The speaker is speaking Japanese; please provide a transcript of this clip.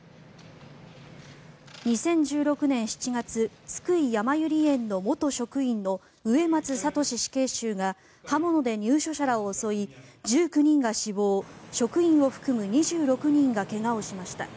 ２０１６年７月津久井やまゆり園の元職員の植松聖死刑囚が刃物で入所者らを襲い１９人が死亡、職員を含む２６人が怪我をしました。